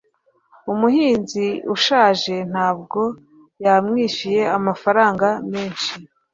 umuhinzi ushaje ntabwo yamwishyuye amafaranga menshi